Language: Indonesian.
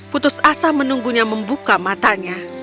putus asa menunggunya membuka matanya